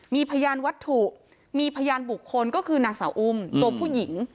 มีพยานวัตถุมีพยานบุคคลก็คือนางสาวอุ้มตัวผู้หญิง